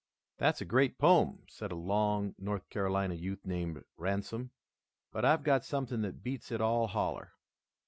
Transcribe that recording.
"That's a great poem," said a long North Carolina youth named Ransome, "but I've got something that beats it all holler.